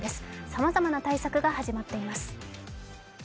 さまざまな対策が始まっています。